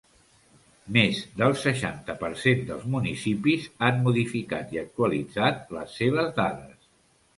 Més del seixanta per cent dels municipis han modificat i actualitzat les seves dades.